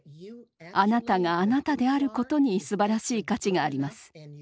あなたがあなたであることにすばらしい価値があります。